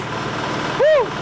gak usah nge gym bro